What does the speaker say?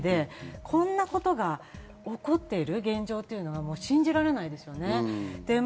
こんなことが起こっている現状というのは信じられないですね。